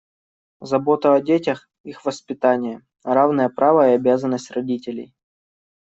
Забота о детях, их воспитание - равное право и обязанность родителей.